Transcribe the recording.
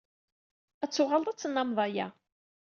Ad tuɣaleḍ ad tennammeḍ aya.